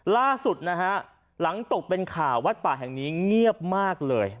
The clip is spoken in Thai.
ล่าสุดนะฮะหลังตกเป็นข่าววัดป่าแห่งนี้เงียบมากเลย